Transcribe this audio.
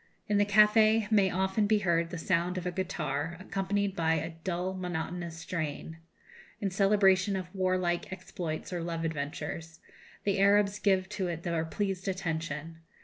In the café may often be heard the sound of a guitar, accompanied by a dull monotonous strain, in celebration of warlike exploits or love adventures; the Arabs give to it their pleased attention.